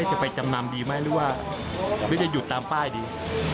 จะไปจำนำดีหรือว่าต้องหยุดตามป้ายดี